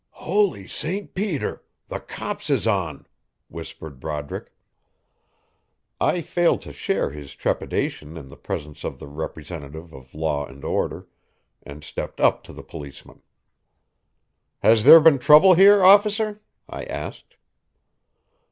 "Holy St. Peter! the cops is on!" whispered Broderick. I failed to share his trepidation in the presence of the representative of law and order, and stepped up to the policeman. "Has there been trouble here, officer?" I asked.